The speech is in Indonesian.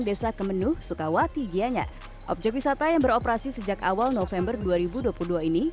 desa kemenuh sukawati gianyar objek wisata yang beroperasi sejak awal november dua ribu dua puluh dua ini